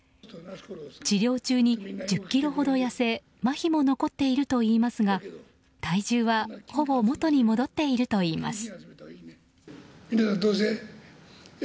治療中に１０ｋｇほど痩せまひも残っているといいますが体重はほぼ元に戻っているといいます。